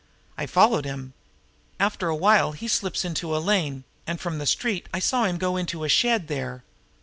I followed him. After a while he slips into a lane, and from the street I saw him go into a shed there.